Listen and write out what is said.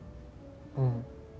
うん。